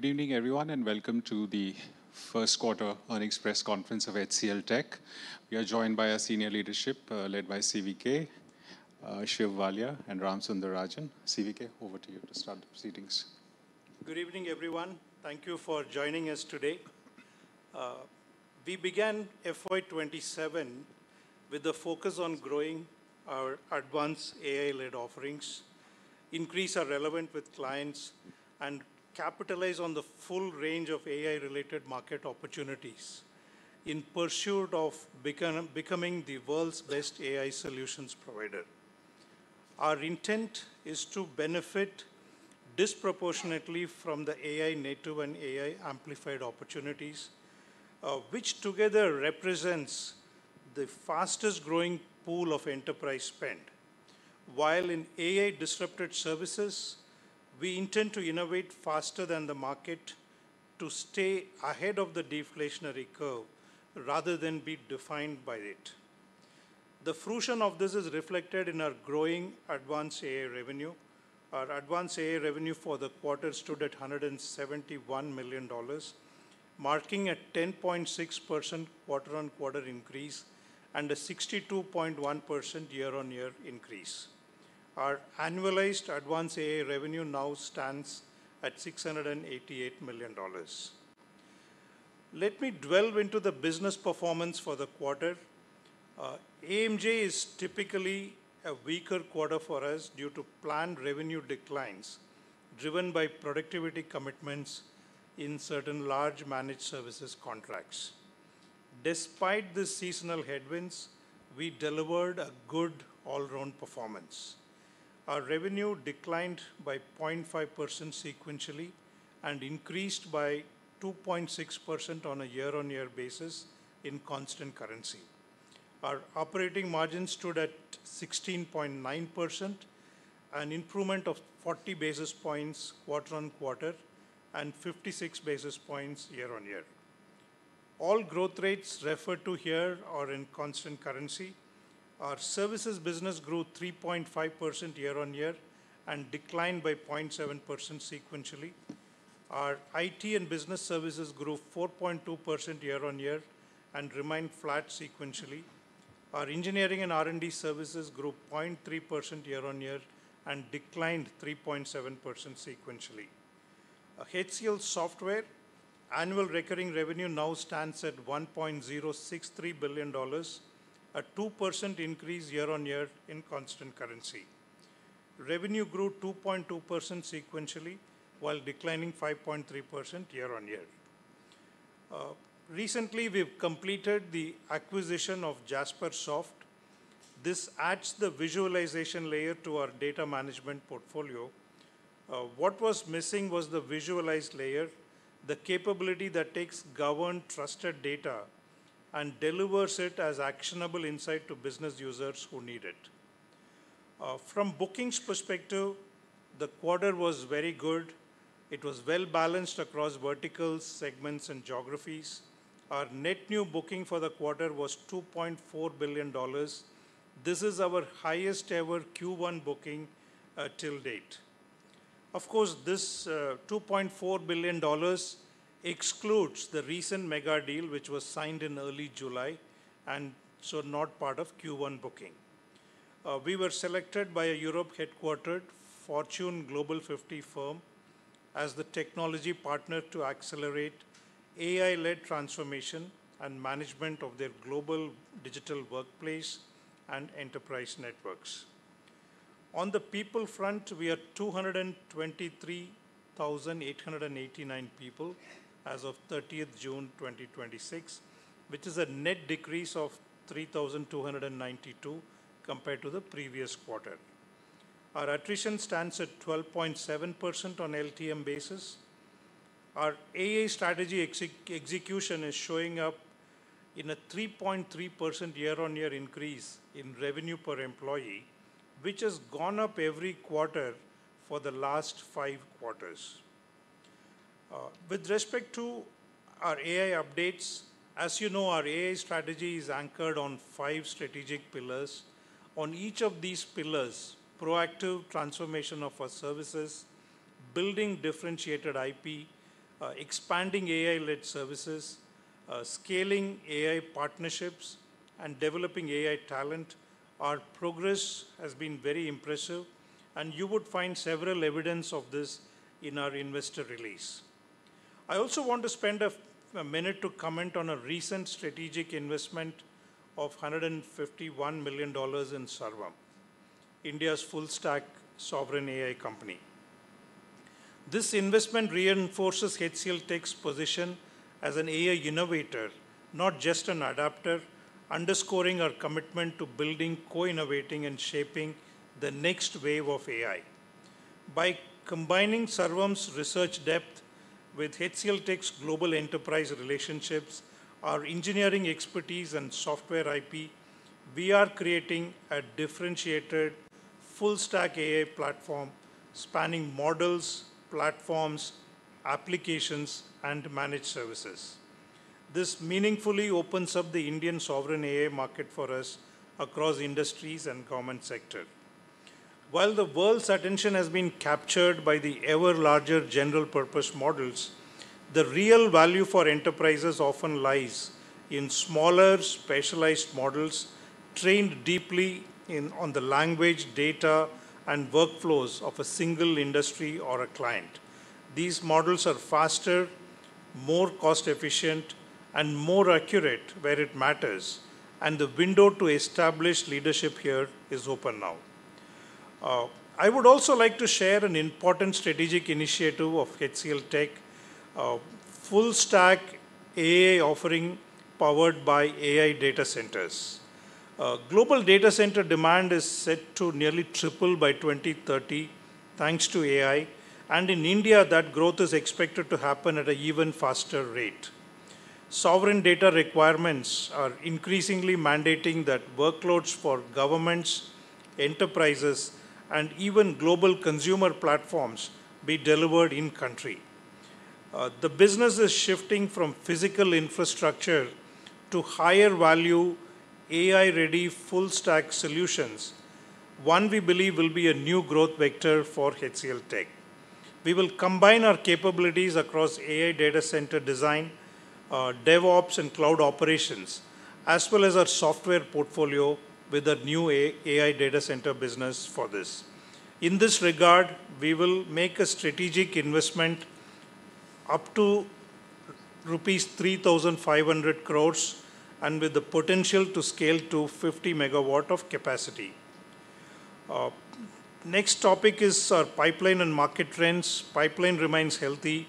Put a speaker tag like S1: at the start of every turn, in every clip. S1: Good evening, everyone and welcome to the first quarter earnings press conference of HCLTech. We are joined by our senior leadership, led by CVK, Shiv Walia, and Ram Sundararajan. CVK, over to you to start the proceedings.
S2: Good evening, everyone. Thank you for joining us today. We began FY 2027 with a focus on growing our advanced AI-led offerings, increase our relevance with clients, and capitalize on the full range of AI-related market opportunities in pursuit of becoming the world's best AI solutions provider. Our intent is to benefit disproportionately from the AI-native and AI-amplified opportunities, which together represents the fastest-growing pool of enterprise spend. While in AI-disrupted services, we intend to innovate faster than the market to stay ahead of the deflationary curve, rather than be defined by it. The fruition of this is reflected in our growing advanced AI revenue. Our advanced AI revenue for the quarter stood at $171 million, marking a 10.6% quarter-on-quarter increase and a 62.1% year-on-year increase. Our annualized advanced AI revenue now stands at $688 million. Let me delve into the business performance for the quarter. AMJ is typically a weaker quarter for us due to planned revenue declines driven by productivity commitments in certain large managed services contracts. Despite the seasonal headwinds, we delivered a good all-round performance. Our revenue declined by 0.5% sequentially and increased by 2.6% on a year-on-year basis in constant currency. Our operating margin stood at 16.9%, an improvement of 40 basis points quarter-on-quarter and 56 basis points year-on-year. All growth rates referred to here are in constant currency. Our services business grew 3.5% year-on-year and declined by 0.7% sequentially. Our IT and Business Services grew 4.2% year-on-year and remained flat sequentially. Our Engineering and R&D Services grew 0.3% year-on-year and declined 3.7% sequentially. HCLSoftware annual recurring revenue now stands at $1.063 billion, a 2% increase year-on-year in constant currency. Revenue grew 2.2% sequentially, while declining 5.3% year-on-year. Recently, we've completed the acquisition of Jaspersoft. This adds the visualization layer to our data management portfolio. What was missing was the visualized layer, the capability that takes governed, trusted data and delivers it as actionable insight to business users who need it. From bookings perspective, the quarter was very good. It was well-balanced across verticals, segments, and geographies. Our net new booking for the quarter was $2.4 billion. This is our highest ever Q1 booking till date. Of course, this $2.4 billion excludes the recent mega deal, which was signed in early July, and so not part of Q1 booking. We were selected by a Europe-headquartered Fortune Global 50 firm as the technology partner to accelerate AI-led transformation and management of their global digital workplace and enterprise networks. On the people front, we are 223,889 people as of 30th June 2026, which is a net decrease of 3,292 compared to the previous quarter. Our attrition stands at 12.7% on LTM basis. Our AI strategy execution is showing up in a 3.3% year-on-year increase in revenue per employee, which has gone up every quarter for the last five quarters. With respect to our AI updates, as you know, our AI strategy is anchored on five strategic pillars. On each of these pillars, proactive transformation of our services, building differentiated IP, expanding AI-led services, scaling AI partnerships, and developing AI talent, our progress has been very impressive, and you would find several evidence of this in our investor release. I also want to spend a minute to comment on a recent strategic investment of $151 million in Sarvam, India's full-stack sovereign AI company. This investment reinforces HCLTech's position as an AI innovator, not just an adapter, underscoring our commitment to building, co-innovating, and shaping the next wave of AI. By combining Sarvam's research depth with HCLTech's global enterprise relationships, our engineering expertise, and software IP, we are creating a differentiated full-stack AI platform spanning models, platforms, applications, and managed services. This meaningfully opens up the Indian sovereign AI market for us across industries and government sector. While the world's attention has been captured by the ever larger general purpose models, the real value for enterprises often lies in smaller, specialized models trained deeply on the language, data, and workflows of a single industry or a client. These models are faster, more cost efficient, and more accurate where it matters, and the window to establish leadership here is open now. I would also like to share an important strategic initiative of HCLTech: a full stack AI offering powered by AI data centers. Global data center demand is set to nearly triple by 2030, thanks to AI. And in India, that growth is expected to happen at an even faster rate. Sovereign data requirements are increasingly mandating that workloads for governments, enterprises, and even global consumer platforms be delivered in-country. The business is shifting from physical infrastructure to higher value AI-ready full stack solutions; one we believe will be a new growth vector for HCLTech. We will combine our capabilities across AI data center design, DevOps, and cloud operations, as well as our software portfolio with a new AI data center business for this. In this regard, we will make a strategic investment up to rupees 3,500 crore and with the potential to scale to 50 MW of capacity. Next topic is our pipeline and market trends. Pipeline remains healthy.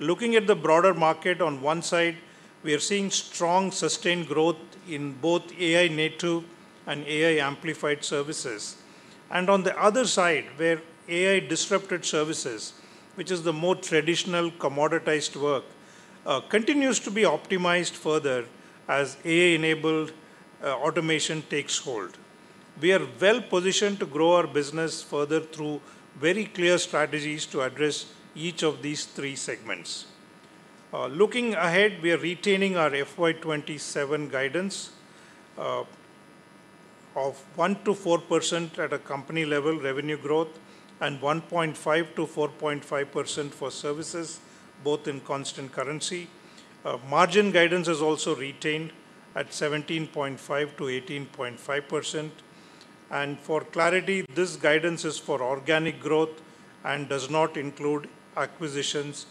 S2: Looking at the broader market, on one side, we are seeing strong, sustained growth in both AI-native and AI-amplified services. And on the other side, where AI-disrupted services, which is the more traditional commoditized work, continues to be optimized further as AI-enabled automation takes hold. We are well-positioned to grow our business further through very clear strategies to address each of these three segments. Looking ahead, we are retaining our FY 2027 guidance of 1%-4% at a company level revenue growth and 1.5%-4.5% for services, both in constant currency. Margin guidance is also retained at 17.5%-18.5%. For clarity, this guidance is for organic growth and does not include acquisitions,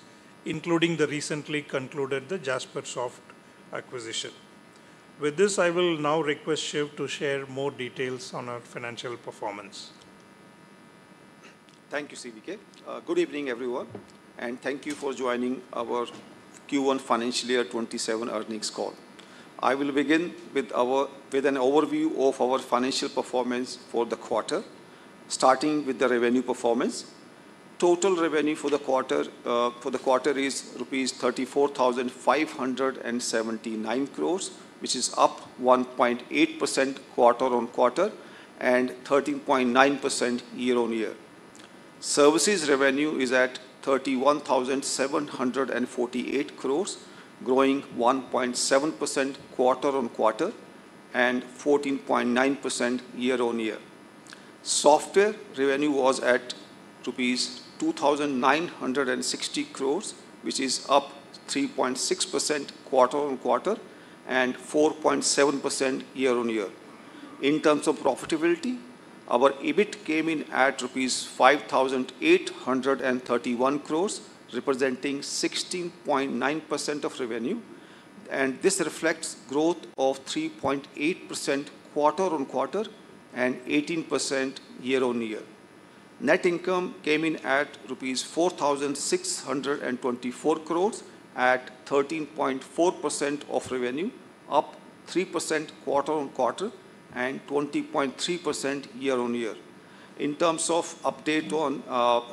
S2: including the recently concluded Jaspersoft acquisition. With this, I will now request Shiv to share more details on our financial performance.
S3: Thank you, CVK. Good evening, everyone, and thank you for joining our Q1 financial year 2027 earnings call. I will begin with an overview of our financial performance for the quarter, starting with the revenue performance. Total revenue for the quarter is rupees 34,579 crore, which is up 1.8% quarter-on-quarter and 13.9% year-on-year. Services revenue is at 31,748 crore, growing 1.7% quarter-on-quarter and 14.9% year-on-year. Software revenue was at rupees 2,960 crore, which is up 3.6% quarter-on-quarter and 4.7% year-on-year. In terms of profitability, our EBIT came in at 5,831 crore rupees, representing 16.9% of revenue. This reflects growth of 3.8% quarter-on-quarter and 18% year-on-year. Net income came in at rupees 4,624 crore at 13.4% of revenue, up 3% quarter-on-quarter and 20.3% year-on-year. In terms of update on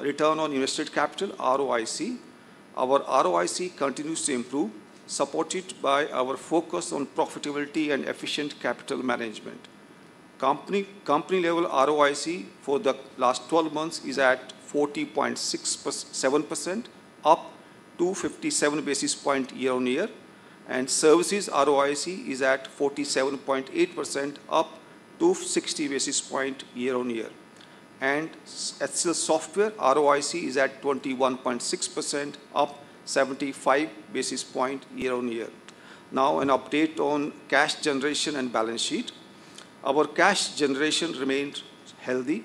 S3: return on invested capital, ROIC, our ROIC continues to improve, supported by our focus on profitability and efficient capital management. Company level ROIC for the last 12 months is at 40.7%, up 257 basis points year-on-year, and services ROIC is at 47.8%, up 260 basis points year-on-year. HCLSoftware ROIC is at 21.6%, up 75 basis points year-on-year. Now, an update on cash generation and balance sheet. Our cash generation remained healthy.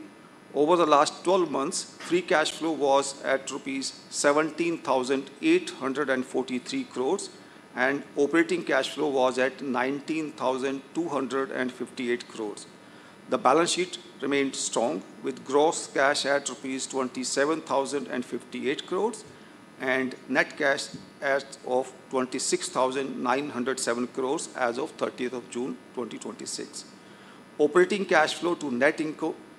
S3: Over the last 12 months, free cash flow was at rupees 17,843 crore, and operating cash flow was at 19,258 crore. The balance sheet remained strong with gross cash at rupees 27,058 crore and net cash as of 26,907 crore as of 30th of June 2026. Operating cash flow to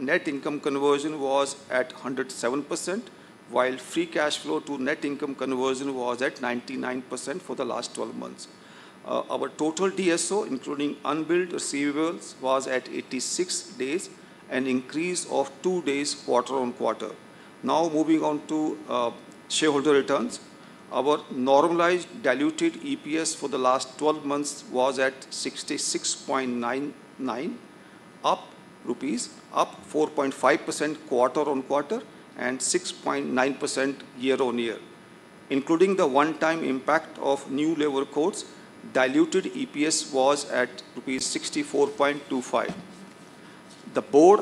S3: net income conversion was at 107%, while free cash flow to net income conversion was at 99% for the last 12 months. Our total DSO, including unbilled receivables, was at 86 days, an increase of two days quarter-on-quarter. Now, moving on to shareholder returns. Our normalized diluted EPS for the last 12 months was at 66.99 rupees, up 4.5% quarter-on-quarter and 6.9% year-on-year. Including the one-time impact of New Labour Codes, diluted EPS was at rupees 64.25. The board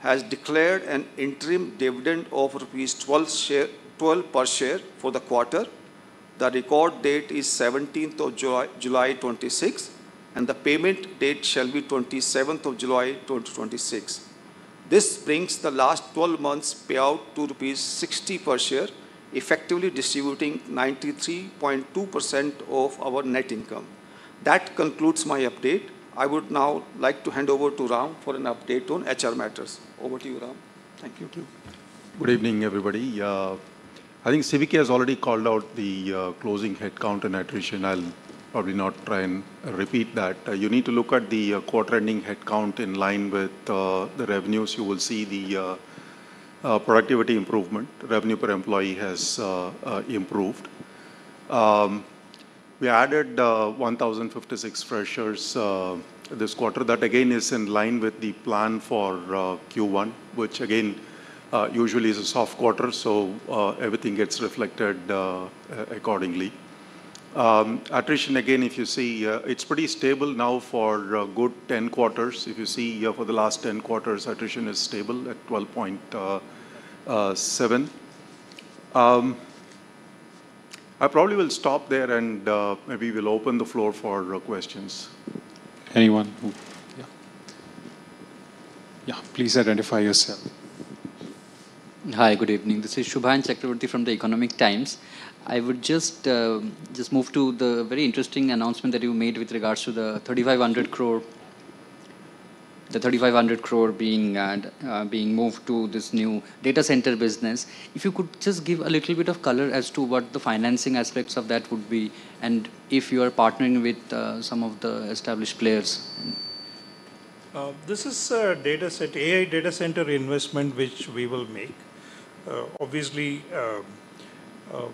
S3: has declared an interim dividend of 12 rupees per share for the quarter. The record date is 17th of July 2026, and the payment date shall be 27th of July 2026. This brings the last 12 months payout to rupees 60 per share, effectively distributing 93.2% of our net income. That concludes my update. I would now like to hand over to Ram for an update on HR matters. Over to you, Ram. Thank you.
S4: Thank you. Good evening, everybody. CVK has already called out the closing headcount and attrition. I'll probably not try and repeat that. You need to look at the quarter-ending headcount in line with the revenues. You will see the productivity improvement. Revenue per employee has improved. We added 1,056 freshers this quarter. That, again, is in line with the plan for Q1, which, again, usually is a soft quarter, so everything gets reflected accordingly. Attrition, again, if you see, it's pretty stable now for a good 10 quarters. If you see here for the last 10 quarters, attrition is stable at 12.7%. I probably will stop there, and maybe, we'll open the floor for questions.
S1: Anyone? Yeah. Yeah, please identify yourself.
S5: Hi, good evening. This is Subhayan Chakraborty from The Economic Times. I would just move to the very interesting announcement that you made with regards to the 3,500 crore being moved to this new data center business. If you could just give a little bit of color as to what the financing aspects of that would be, and if you are partnering with some of the established players?
S2: This is AI data center investment which we will make. Obviously,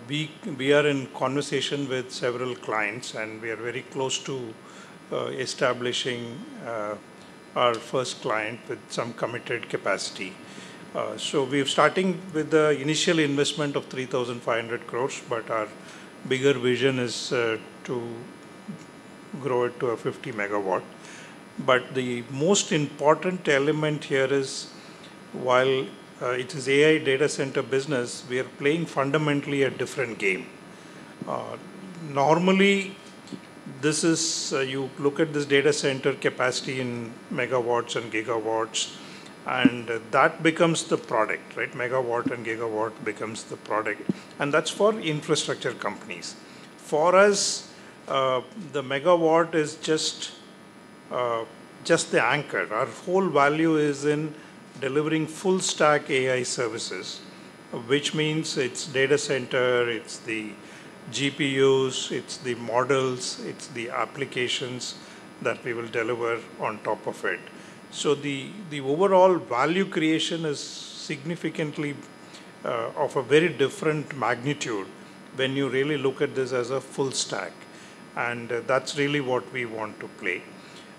S2: we are in conversation with several clients, and we are very close to establishing our first client with some committed capacity. We're starting with the initial investment of 3,500 crore, but our bigger vision is to grow it to a 50 MW. But the most important element here is, while it is AI data center business, we are playing fundamentally a different game. Normally, you look at this data center capacity in megawatts and gigawatts, and that becomes the product. Like megawatt and gigawatt becomes the product, and that's for infrastructure companies. For us, the megawatt is just the anchor. Our whole value is in delivering full stack AI services, which means it's data center, it's the GPUs, it's the models, it's the applications that we will deliver on top of it. So, the overall value creation is significantly of a very different magnitude when you really look at this as a full stack, and that's really what we want to play.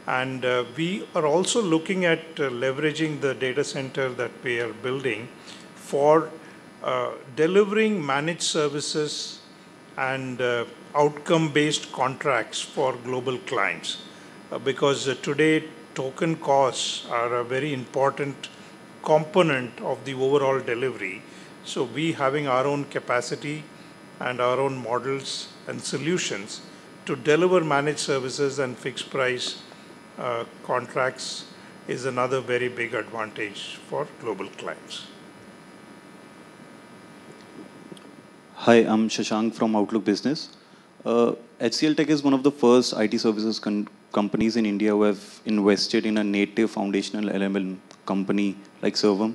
S2: We are also looking at leveraging the data center that we are building for delivering managed services and outcome-based contracts for global clients, because today, token costs are a very important component of the overall delivery. So, we having our own capacity and our own models and solutions to deliver managed services and fixed price contracts is another very big advantage for global clients.
S6: Hi, I'm Shashank from Outlook Business. HCLTech is one of the first IT services companies in India who have invested in a native foundational LLM company like Sarvam.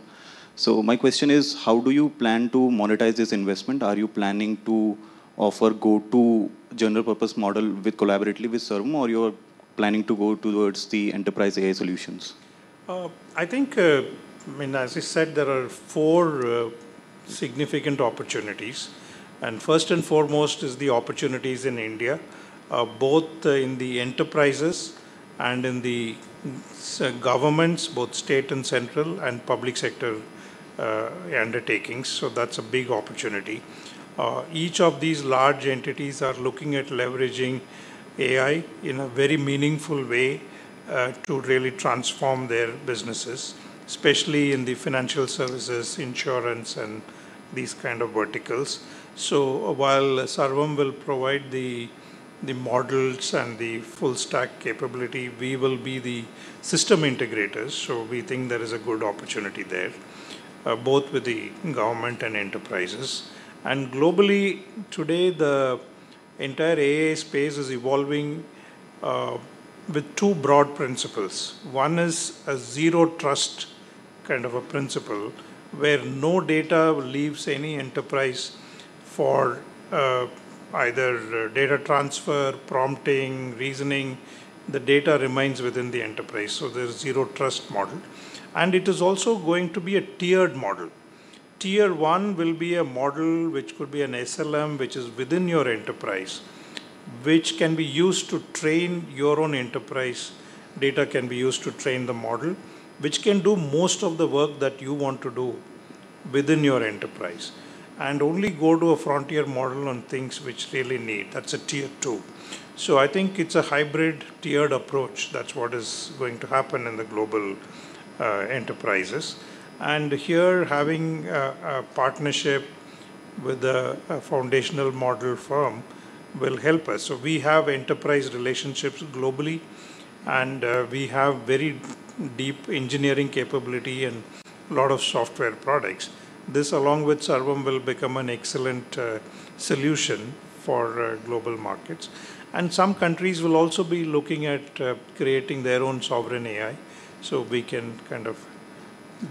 S6: So, my question is, how do you plan to monetize this investment? Are you planning to offer go-to general purpose model collaboratively with Sarvam, or you're planning to go towards the enterprise AI solutions?
S2: I think, as I said, there are four significant opportunities, and first and foremost is the opportunities in India, both in the enterprises and in the governments, both state and central, and public sector undertakings. So, that's a big opportunity. Each of these large entities are looking at leveraging AI in a very meaningful way to really transform their businesses, especially in the financial services, insurance, and these kinds of verticals. While Sarvam will provide the models and the full stack capability, we will be the system integrators. So, we think there is a good opportunity there, both with the government and enterprises. And globally, today, the entire AI space is evolving with two broad principles. One is a zero-trust kind of a principle where no data leaves any enterprise for either data transfer, prompting, reasoning, the data remains within the enterprise, so there's zero-trust model. It is also going to be a tiered model. Tier 1 will be a model which could be an SLM, which is within your enterprise, which can be used to train your own enterprise. Data can be used to train the model, which can do most of the work that you want to do within your enterprise, and only go to a frontier model on things which really need. That's a Tier 2. So, I think it's a hybrid tiered approach. That's what is going to happen in the global enterprises. Here, having a partnership with a foundational model firm will help us. So, we have enterprise relationships globally, and we have very deep engineering capability and lot of software products. This, along with Sarvam, will become an excellent solution for global markets. And some countries will also be looking at creating their own sovereign AI. So, we can kind of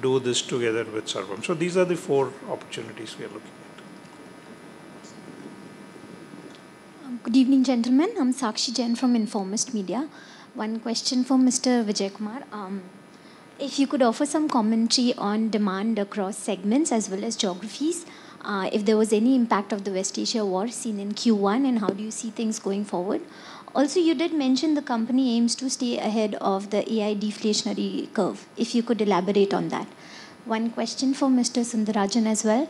S2: do this together with Sarvam. These are the four opportunities we are looking at.
S7: Good evening, gentlemen. I'm Shakshi Jain from Informist Media. One question for Mr. Vijayakumar. If you could offer some commentary on demand across segments as well as geographies, if there was any impact of the West Asia war seen in Q1, and how do you see things going forward? Also, you did mention the company aims to stay ahead of the AI deflationary curve. If you could elaborate on that? One question for Mr. Sundararajan as well.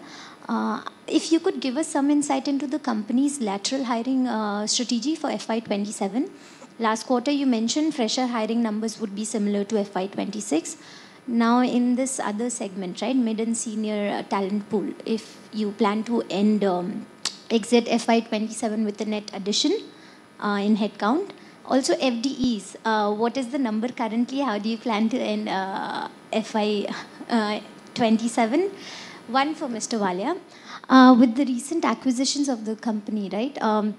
S7: If you could give us some insight into the company's lateral hiring strategy for FY 2027? Last quarter, you mentioned fresher hiring numbers would be similar to FY 2026. Now, in this other segment, mid and senior talent pool, if you plan to exit FY 2027 with a net addition in headcount? Also, FDEs, what is the number currently? How do you plan to end FY 2027? One for Mr. Walia. With the recent acquisitions of the company, right, can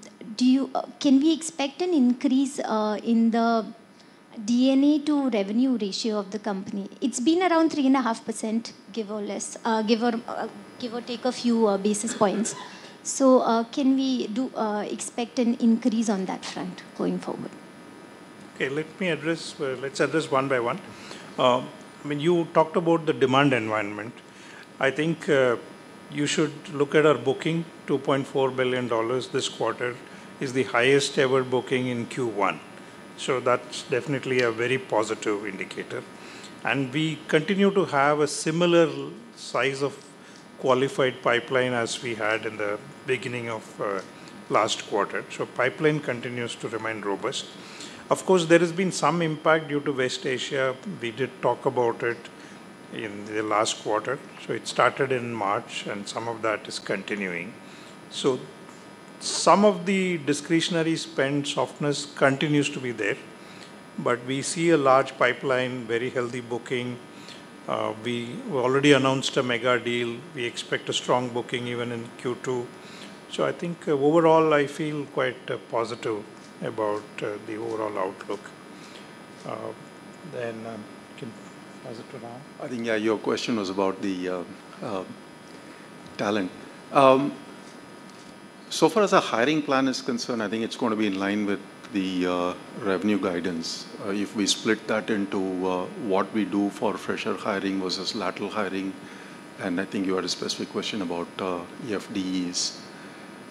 S7: we expect an increase in the D&A to revenue ratio of the company? It's been around 3.5%, give or take a few basis points, so can we expect an increase on that front going forward?
S2: Okay. Let's address one by one. You talked about the demand environment. I think you should look at our booking. $2.4 billion this quarter is the highest-ever booking in Q1, so that's definitely a very positive indicator. And we continue to have a similar size of qualified pipeline as we had in the beginning of last quarter, so pipeline continues to remain robust. Of course, there has been some impact due to West Asia. We did talk about it in the last quarter. It started in March, and some of that is continuing. Some of the discretionary spend softness continues to be there, but we see a large pipeline, very healthy booking. We already announced a mega deal. We expect a strong booking even in Q2. So, I think overall, I feel quite positive about the overall outlook. Then, was it Ram?
S4: Yeah. Your question was about the talent. So far, as our hiring plan is concerned, it's going to be in line with the revenue guidance. If we split that into what we do for fresher hiring versus lateral hiring, and I think you had a specific question about FDEs.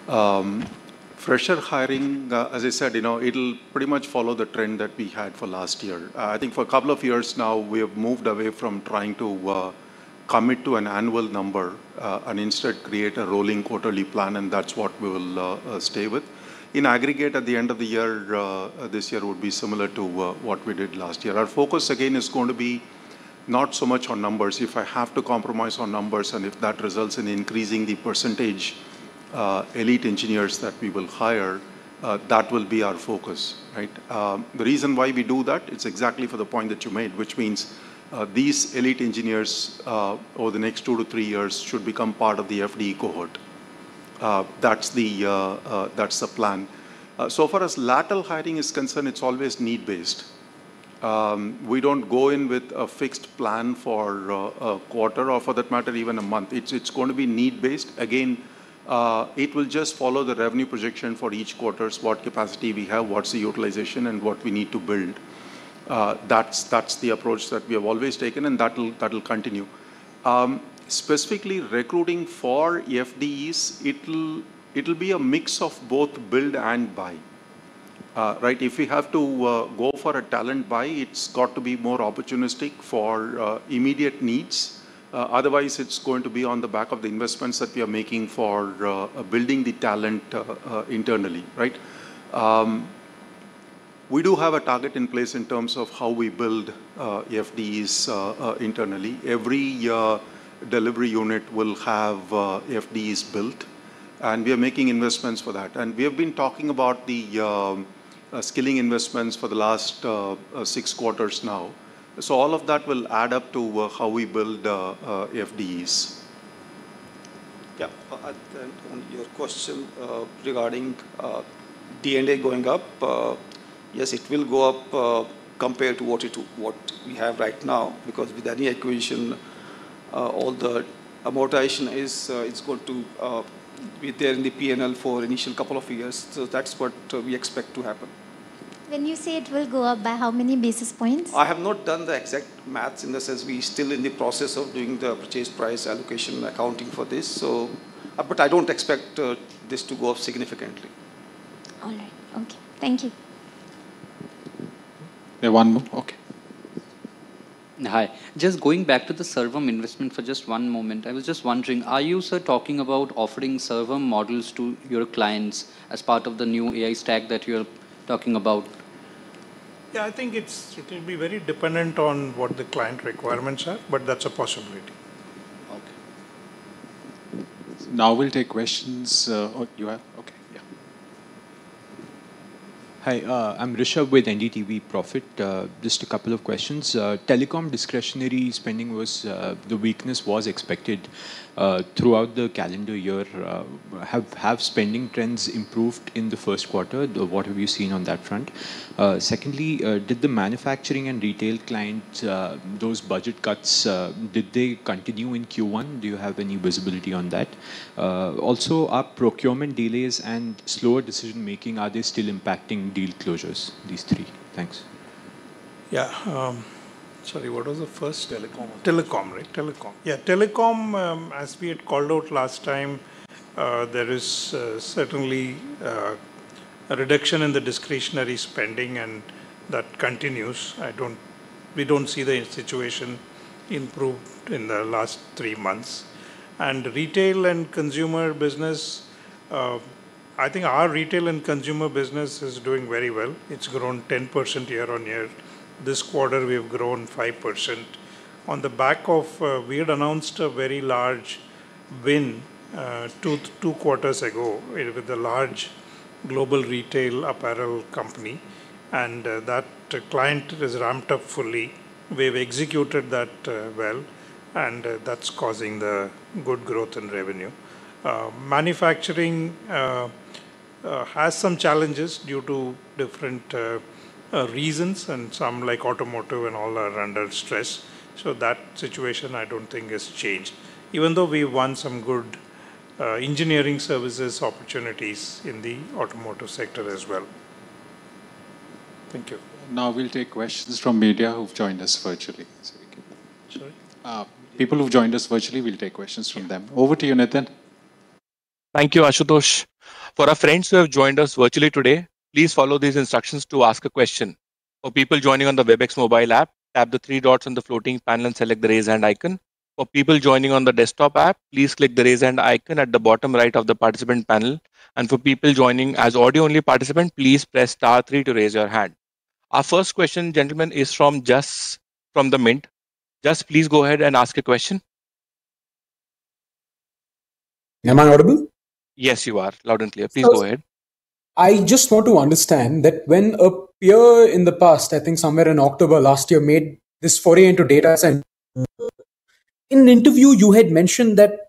S4: Fresher hiring, as I said, it'll pretty much follow the trend that we had for last year. For a couple of years now, we have moved away from trying to commit to an annual number, and instead create a rolling quarterly plan, and that's what we will stay with. In aggregate, at the end of the year, this year would be similar to what we did last year. Our focus again is going to be not so much on numbers. If I have to compromise on numbers, and if that results in increasing the percentage elite engineers that we will hire, that will be our focus. Right? The reason why we do that, it's exactly for the point that you made, which means, these elite engineers over the next two to three years should become part of the FDE cohort. That's the plan. As far as lateral hiring is concerned, it's always need-based. We don't go in with a fixed plan for a quarter or for that matter, even a month. It's going to be need-based. Again, it will just follow the revenue projection for each quarter, what capacity we have, what's the utilization, and what we need to build. That's the approach that we have always taken, and that'll continue. Specifically recruiting for FDEs, it'll be a mix of both build and buy. Right? If we have to go for a talent buy, it's got to be more opportunistic for immediate needs. Otherwise, it's going to be on the back of the investments that we are making for building the talent internally. Right? We do have a target in place in terms of how we build FDEs internally. Every delivery unit will have FDEs built, and we are making investments for that. And we have been talking about the skilling investments for the last six quarters now, so, all of that will add up to how we build FDEs.
S3: Yeah. Your question regarding D&A going up. Yes, it will go up compared to what we have right now, because with any acquisition, all the amortization is going to be there in the P&L for initial couple of years. That's what we expect to happen.
S7: When you say it will go up, by how many basis points?
S3: I have not done the exact math in the sense we're still in the process of doing the purchase price allocation accounting for this. But I don't expect this to go up significantly.
S7: All right. Okay. Thank you.
S1: We have one more? Okay.
S5: Hi. Just going back to the Sarvam investment for just one moment. I was just wondering, are you, sir, talking about offering Sarvam models to your clients as part of the new AI stack that you're talking about?
S2: Yeah. I think it'll be very dependent on what the client requirements are, but that's a possibility.
S5: Okay.
S1: Now, we'll take questions. Okay. Yeah.
S8: Hi, I'm Rishabh with NDTV Profit. Just a couple of questions. Telecom discretionary spending, the weakness was expected throughout the calendar year. Have spending trends improved in the first quarter? What have you seen on that front? Secondly, did the manufacturing and retail client, those budget cuts, did they continue in Q1? Do you have any visibility on that? Also, are procurement delays and slower decision making, are they still impacting deal closures? These three. Thanks.
S2: Yeah. Sorry, what was the first?
S8: Telecom.
S2: Telecom, right, telecom. Telecom, as we had called out last time, there is certainly a reduction in the discretionary spending, and that continues. We don't see the situation improved in the last three months. Retail and consumer business, I think our retail and consumer business is doing very well. It's grown 10% year-on-year. This quarter, we have grown 5%. On the back of, we had announced a very large win two quarters ago with a large global retail apparel company, and that client has ramped up fully. We've executed that well, and that's causing the good growth in revenue. Manufacturing has some challenges due to different reasons, and some, like automotive and all, are under stress. So, that situation, I don't think has changed, even though we won some good engineering services opportunities in the automotive sector as well.
S8: Thank you.
S1: Now, we'll take questions from media who've joined us virtually.
S2: Sorry?
S1: People who've joined us virtually, we'll take questions from them. Over to you, Nitin.
S9: Thank you, Ashutosh. For our friends who have joined us virtually today, please follow these instructions to ask a question. For people joining on the Webex mobile app, tap the three dots on the floating panel and select the Raise Hand icon. For people joining on the desktop app, please click the Raise Hand icon at the bottom right of the participant panel, and for people joining as audio-only participant, please press star three to raise your hand. Our first question, gentlemen, is from Jas from the Mint. Jas, please go ahead and ask a question.
S10: Am I audible?
S9: Yes, you are. Loud and clear. Please go ahead.
S10: I just want to understand that when a year in the past, I think somewhere in October last year, made this foray into data centers. In an interview, you had mentioned that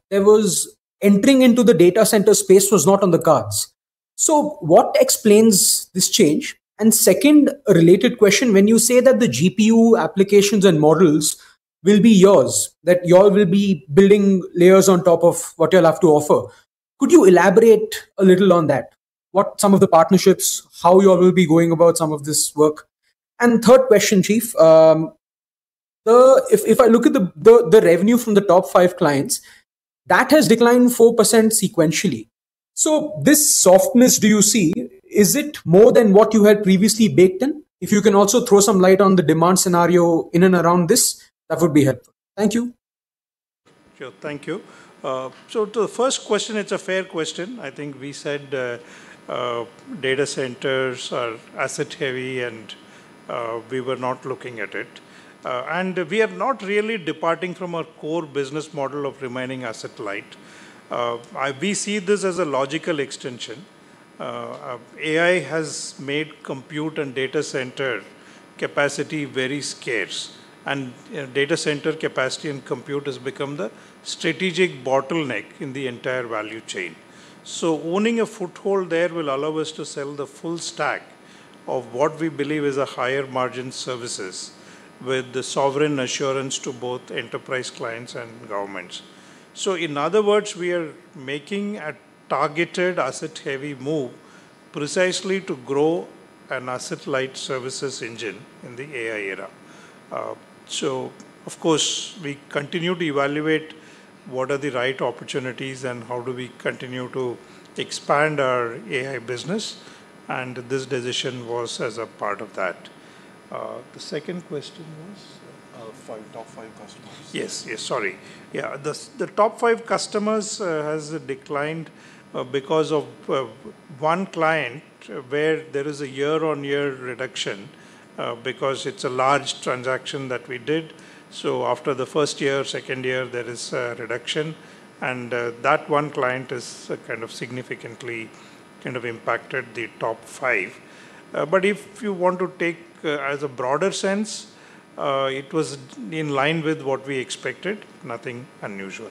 S10: entering into the data center space was not on the cards, so, what explains this change? Second, a related question, when you say that the GPU applications and models will be yours, that you all will be building layers on top of what you'll have to offer, could you elaborate a little on that? What some of the partnerships, how you all will be going about some of this work? And third question, chief, if I look at the revenue from the top five clients, that has declined 4% sequentially. So, this softness do you see, is it more than what you had previously baked in? If you can also throw some light on the demand scenario in and around this, that would be helpful. Thank you.
S2: Sure. Thank you. To the first question, it's a fair question. I think we said data centers are asset heavy, and we were not looking at it. We are not really departing from our core business model of remaining asset light. We see this as a logical extension. AI has made compute and data center capacity very scarce. Data center capacity and compute has become the strategic bottleneck in the entire value chain. Owning a foothold there will allow us to sell the full stack of what we believe is a higher margin services with the sovereign assurance to both enterprise clients and governments. In other words, we are making a targeted asset-heavy move precisely to grow an asset-light services engine in the AI era. Of course, we continue to evaluate what are the right opportunities and how do we continue to expand our AI business, and this decision was as a part of that. The second question was?
S9: Top five customers.
S2: Yes. Sorry. The top five customers has declined because of one client where there is a year-on-year reduction because it's a large transaction that we did. After the first year, second year, there is a reduction, and that one client has significantly impacted the top five. But if you want to take as a broader sense, it was in line with what we expected, nothing unusual.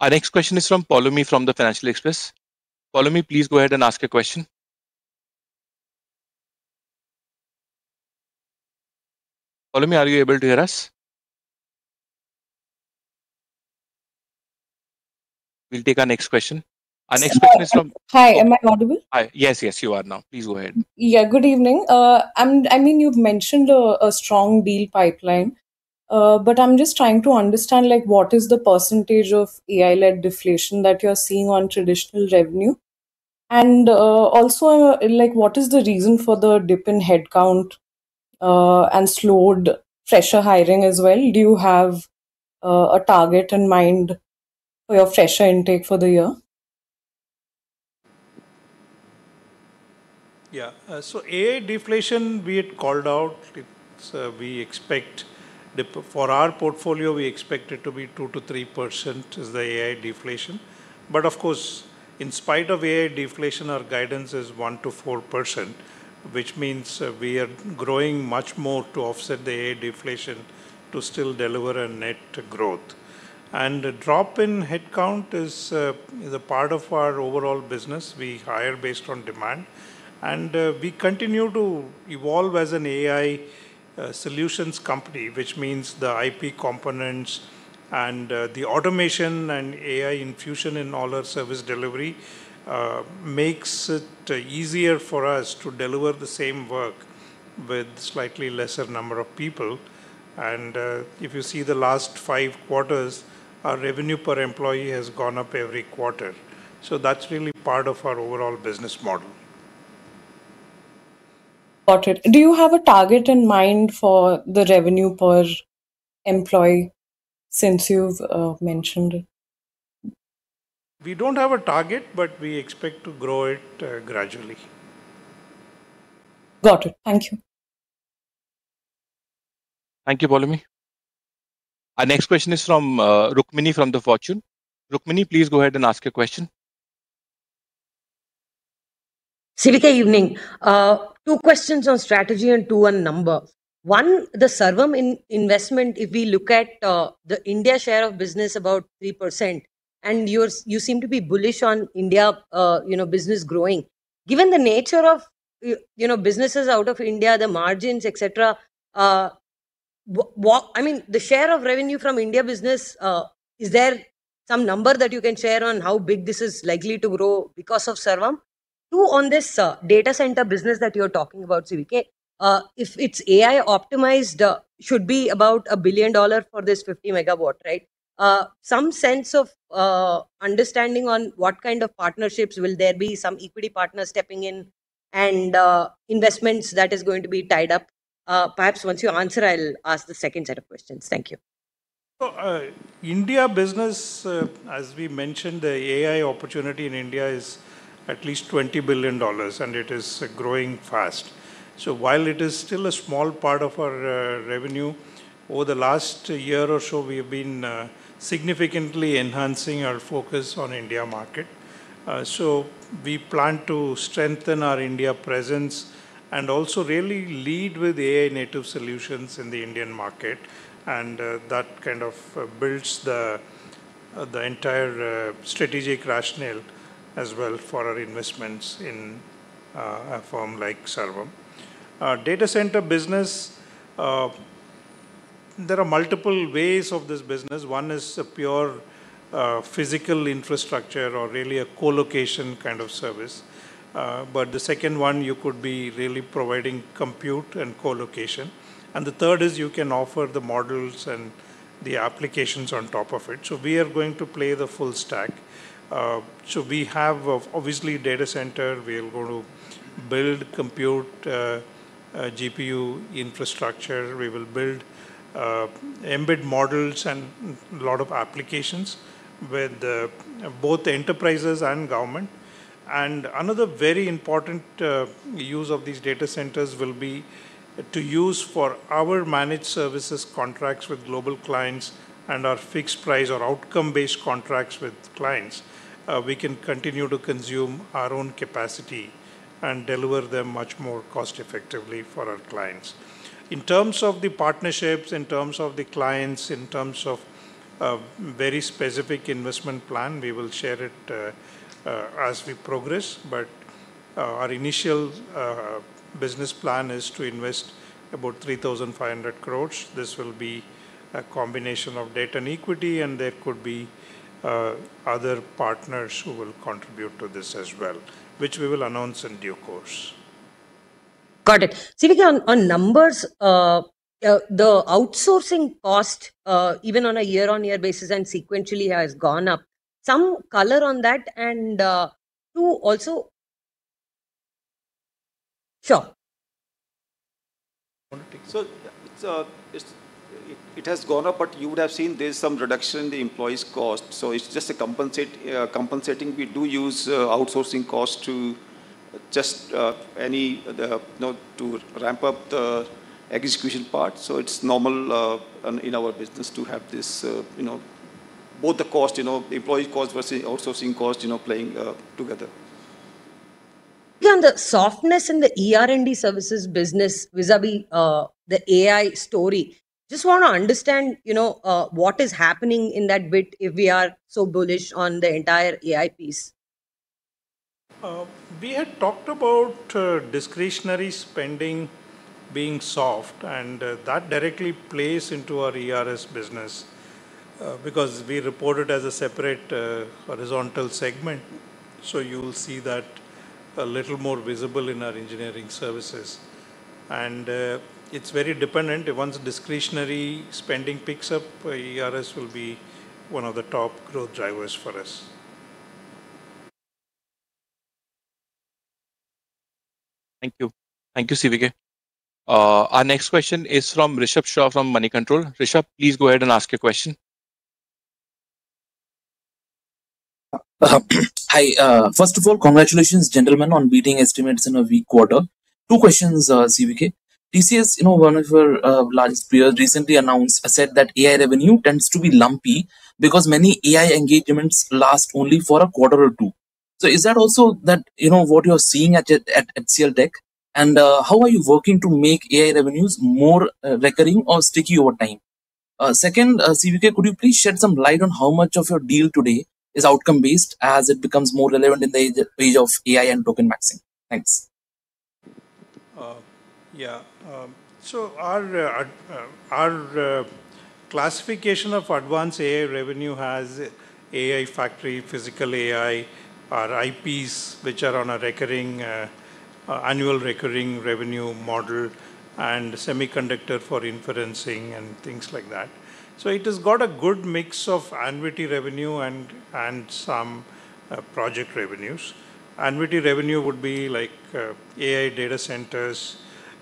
S9: Our next question is from Poulomi from the Financial Express. Poulomi, please go ahead and ask a question. Poulomi, are you able to hear us? We'll take our next question. Our next question is from.
S11: Hi, am I audible?
S9: Hi. Yes, you are now. Please go ahead.
S11: Yeah. Good evening. You've mentioned a strong deal pipeline, but I'm just trying to understand like what is the percentage of AI-led deflation that you're seeing on traditional revenue? Also, what is the reason for the dip in headcount, and slowed fresher hiring as well? Do you have a target in mind for your fresher intake for the year?
S2: Yeah. So, AI deflation, we had called out. For our portfolio, we expect it to be 2%-3% is the AI deflation. But of course, in spite of AI deflation, our guidance is 1%-4%, which means we are growing much more to offset the AI deflation to still deliver a net growth. And the drop in headcount is a part of our overall business. We hire based on demand. We continue to evolve as an AI solutions company, which means the IP components, and the automation, and AI infusion in all our service delivery makes it easier for us to deliver the same work with slightly lesser number of people. If you see the last five quarters, our revenue per employee has gone up every quarter. So, that's really part of our overall business model.
S11: Got it. Do you have a target in mind for the revenue per employee, since you've mentioned it?
S2: We don't have a target, but we expect to grow it gradually.
S11: Got it. Thank you.
S9: Thank you, Poulomi. Our next question is from Rukmini from the Fortune. Rukmini, please go ahead and ask your question.
S12: CVK, evening. Two questions on strategy and two on number. One, the Sarvam investment, if we look at the India share of business, about 3%, and you seem to be bullish on India business growing. Given the nature of businesses out of India, the margins, et cetera, the share of revenue from India business, is there some number that you can share on how big this is likely to grow because of Sarvam? Two, on this data center business that you are talking about, CVK, if it is AI-optimized, should be about $1 billion for this 50 MW, right? Some sense of understanding on what kind of partnerships will there be, some equity partners stepping in investments that is going to be tied up? Perhaps once you answer, I will ask the second set of questions. Thank you.
S2: India business, as we mentioned, the AI opportunity in India is at least $20 billion, and it is growing fast. While it is still a small part of our revenue, over the last year or so, we have been significantly enhancing our focus on India market. We plan to strengthen our India presence and also really lead with AI-native solutions in the Indian market, and that kind of builds the entire strategic rationale as well for our investments in a firm like Sarvam. Data center business, there are multiple ways of this business. One is a pure physical infrastructure or really a co-location kind of service. But the second one, you could be really providing compute and co-location. And the third is you can offer the models and the applications on top of it. We are going to play the full stack. We have obviously data center. We are going to build compute GPU infrastructure. We will build embed models and lot of applications with both enterprises and government. And another very important use of these data centers will be to use for our managed services contracts with global clients and our fixed price or outcome-based contracts with clients. We can continue to consume our own capacity and deliver them much more cost effectively for our clients. In terms of the partnerships, in terms of the clients, in terms of very specific investment plan, we will share it as we progress, but our initial business plan is to invest about 3,500 crore. This will be a combination of debt and equity, and there could be other partners who will contribute to this as well, which we will announce in due course.
S12: Got it. CVK, on numbers, the outsourcing cost, even on a year-on-year basis and sequentially has gone up. Some color on that, and two, also, sure.
S2: You want to take?
S3: It has gone up, but you would have seen there's some reduction in the employees' cost, so it's just compensating. We do use outsourcing cost to ramp up the execution part, so it's normal in our business to have this both the cost, employee cost versus outsourcing cost playing together.
S12: Yeah, the softness in the ER&D services business vis-a-vis the AI story, just want to understand what is happening in that bit if we are so bullish on the entire AI piece.
S2: We had talked about discretionary spending being soft, and that directly plays into our ERS business, because we report it as a separate horizontal segment. So, you will see that a little more visible in our engineering services. It's very dependent. Once discretionary spending picks up, ERS will be one of the top growth drivers for us.
S9: Thank you. Thank you, CVK. Our next question is from Rishabh Shah from Moneycontrol. Rishabh, please go ahead and ask your question.
S13: Hi. First of all, congratulations, gentlemen, on beating estimates in a weak quarter. Two questions, CVK. TCS, one of our largest peers, recently announced, and said that AI revenue tends to be lumpy because many AI engagements last only for a quarter or two. Is that also what you're seeing at HCLTech? How are you working to make AI revenues more recurring or sticky over time? Second, CVK, could you please shed some light on how much of your deal today is outcome-based as it becomes more relevant in the age of AI and token maxing? Thanks.
S2: Yeah. Our classification of advanced AI revenue has AI factory, physical AI, our IPs, which are on annual recurring revenue model, and semiconductor for inferencing, and things like that. It has got a good mix of annuity revenue and some project revenues. Annuity revenue would be like AI data centers.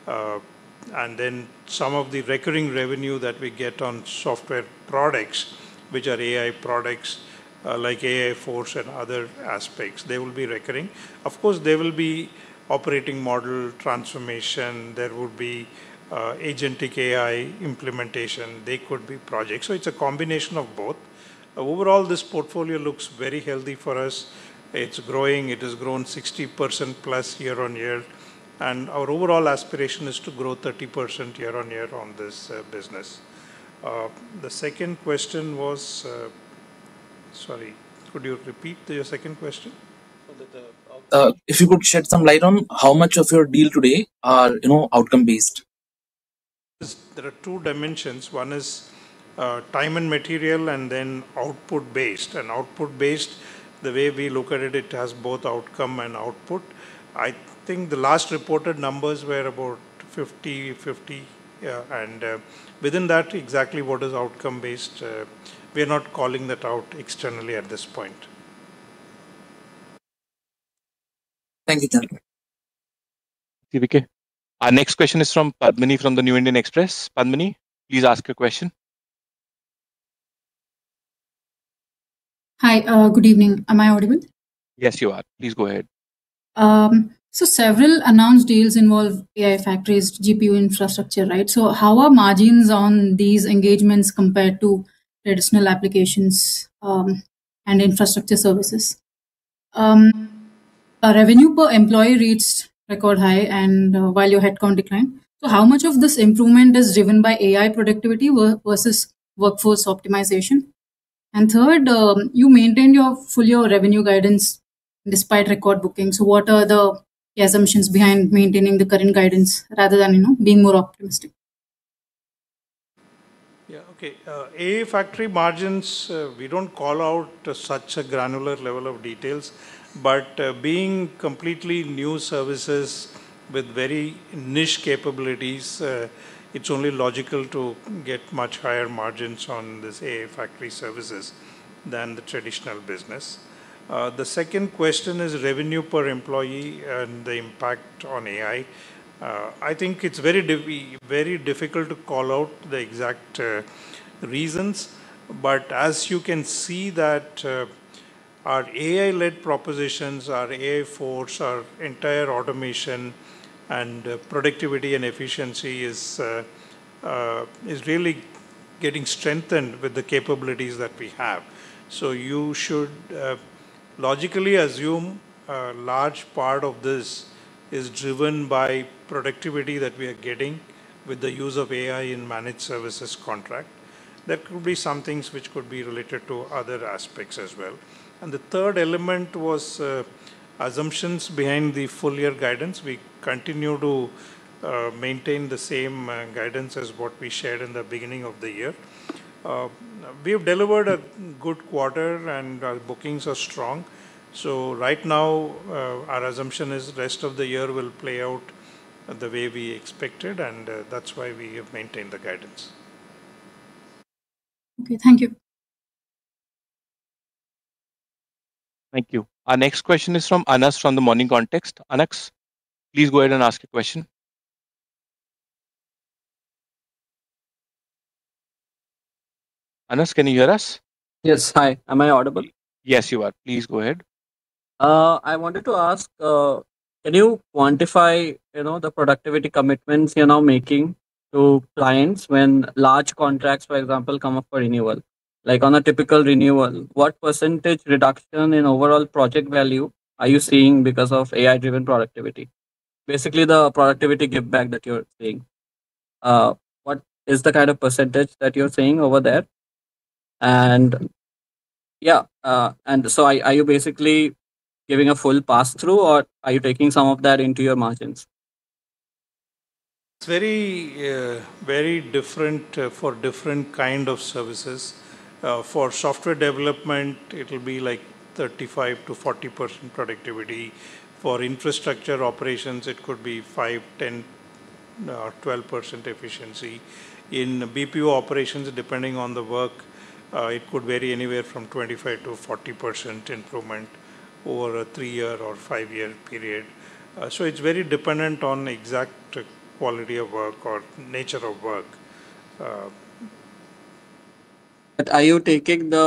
S2: Then some of the recurring revenue that we get on software products, which are AI products like AI Force and other aspects, they will be recurring. Of course, there will be operating model transformation. There would be agentic AI implementation. They could be projects. It's a combination of both. Overall, this portfolio looks very healthy for us. It's growing. It has grown 60%+ year-on-year, and our overall aspiration is to grow 30% year-on-year on this business. The second question was? Sorry, could you repeat your second question?
S13: If you could shed some light on how much of your deal today are outcome-based?
S2: There are two dimensions. One is time and material and then output-based. And output-based, the way we look at it has both outcome and output. I think the last reported numbers were about 50/50. Within that, exactly what is outcome-based, we are not calling that out externally at this point.
S13: Thank you, CVK.
S9: Our next question is from Padmini from The New Indian Express. Padmini, please ask your question.
S14: Hi. Good evening. Am I audible?
S9: Yes, you are. Please go ahead.
S14: Several announced deals involve AI factories, GPU infrastructure, right? How are margins on these engagements compared to traditional applications and infrastructure services? Revenue per employee reached record high and value headcount declined. How much of this improvement is driven by AI productivity versus workforce optimization? Third, you maintain your full-year revenue guidance despite record bookings, so what are the assumptions behind maintaining the current guidance rather than being more optimistic?
S2: Yeah. Okay. AI factory margins, we don't call out such a granular level of details, but being completely new services with very niche capabilities, it's only logical to get much higher margins on this AI factory services than the traditional business. The second question is revenue per employee and the impact on AI. I think it's very difficult to call out the exact reasons, but as you can see that our AI-led propositions, our AI Force, our entire automation and productivity and efficiency is really getting strengthened with the capabilities that we have. You should logically assume a large part of this is driven by productivity that we are getting with the use of AI in managed services contract. There could be some things which could be related to other aspects as well. The third element was assumptions behind the full-year guidance. We continue to maintain the same guidance as what we shared in the beginning of the year. We have delivered a good quarter and our bookings are strong. Right now, our assumption is rest of the year will play out the way we expected, and that's why we have maintained the guidance.
S14: Okay. Thank you.
S9: Thank you. Our next question is from Anas from The Morning Context. Anas, please go ahead and ask your question. Anas, can you hear us?
S15: Yes. Hi, am I audible?
S9: Yes, you are. Please go ahead.
S15: I wanted to ask, can you quantify the productivity commitments you're now making to clients when large contracts, for example, come up for renewal? Like on a typical renewal, what percentage reduction in overall project value are you seeing because of AI-driven productivity? Basically, the productivity gives back that you're seeing. What is the kind of percentage that you're seeing over there? Are you basically giving a full pass-through, or are you taking some of that into your margins?
S2: It's very different for different kind of services. For software development, it will be like 35%-40% productivity. For infrastructure operations, it could be 5%, 10%, or 12% efficiency. In BPO operations, depending on the work, it could vary anywhere from 25%-40% improvement over a three-year or five-year period. So, it's very dependent on exact quality of work or nature of work.
S15: Are you taking the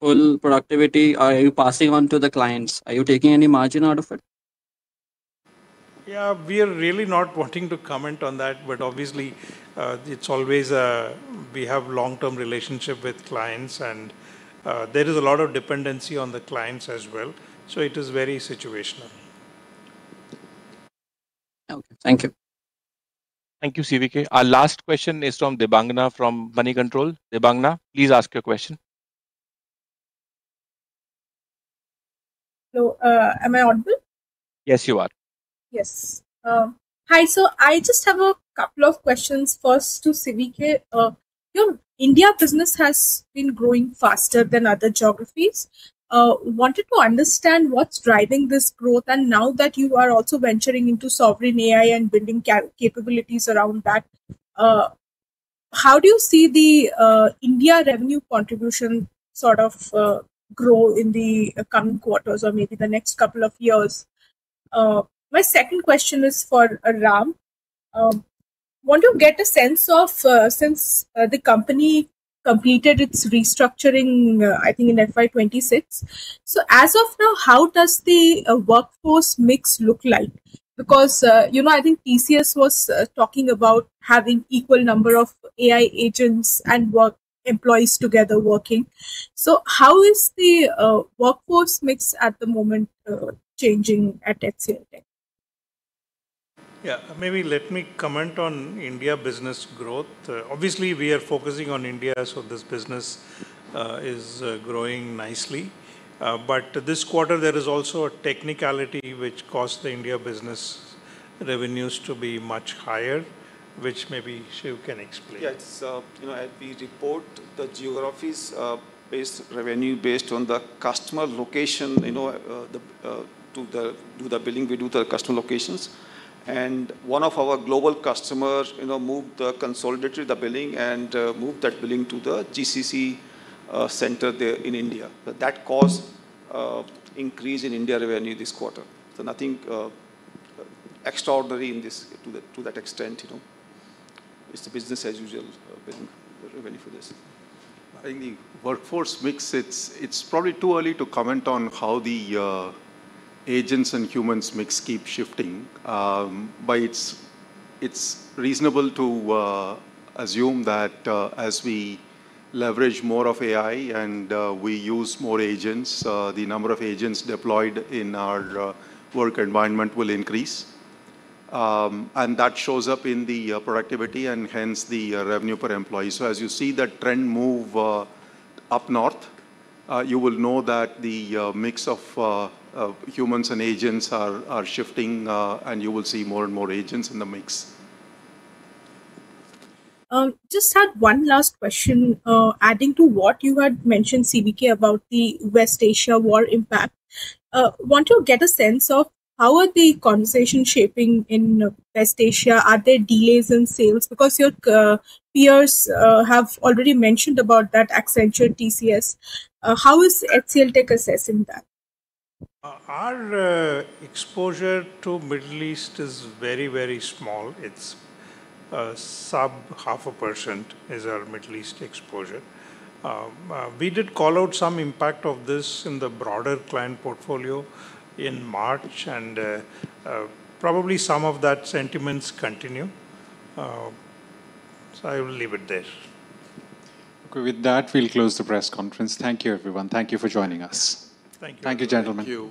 S15: full productivity? Are you passing on to the clients? Are you taking any margin out of it?
S2: We are really not wanting to comment on that, but obviously, we have long-term relationship with clients, and there is a lot of dependency on the clients as well. So, it is very situational.
S15: Okay. Thank you.
S9: Thank you, CVK. Our last question is from Debangana from Moneycontrol. Debangana, please ask your question.
S16: Hello. Am I audible?
S9: Yes, you are.
S16: Yes. Hi. I just have a couple of questions first to CVK. Your India business has been growing faster than other geographies. Wanted to understand what's driving this growth, and now that you are also venturing into sovereign AI and building capabilities around that, how do you see the India revenue contribution sort of grow in the coming quarters or maybe the next couple of years? My second question is for Ram. Want to get a sense of, since the company completed its restructuring, I think in FY 2026, so as of now, how does the workforce mix look like? Because I think TCS was talking about having equal number of AI agents and employees together working. How is the workforce mix at the moment changing at HCLTech?
S2: Maybe let me comment on India business growth. Obviously, we are focusing on India, so this business is growing nicely. But this quarter, there is also a technicality which caused the India business revenues to be much higher, which maybe Shiv can explain.
S3: Yes. As we report the geographies-based revenue, based on the customer location, we do the billing, we do the customer locations, and one of our global customers moved the consolidated billing and moved that billing to the GCC center there in India. That caused increase in India revenue this quarter, so nothing extraordinary to that extent. It's the business-as-usual revenue for this.
S4: I think the workforce mix, it is probably too early to comment on how the agents and humans mix keep shifting. But it is reasonable to assume that as we leverage more of AI and we use more agents, the number of agents deployed in our work environment will increase, and that shows up in the productivity and hence the revenue per employee. As you see that trend move up north, you will know that the mix of humans and agents are shifting, and you will see more and more agents in the mix.
S16: Just had one last question. Adding to what you had mentioned, CVK, about the West Asia war impact. I want to get a sense of how are the conversations shaping in West Asia? Are there delays in sales? Your peers have already mentioned about that, Accenture, TCS. How is HCLTech assessing that?
S2: Our exposure to Middle East is very, very small. It's sub-0.5% is our Middle East exposure. We did call out some impact of this in the broader client portfolio in March, and probably some of that sentiments continue. I will leave it there.
S9: With that, we will close the press conference. Thank you, everyone. Thank you for joining us.
S2: Thank you.
S9: Thank you, gentlemen.